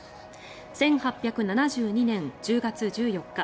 １８７２年１０月１４日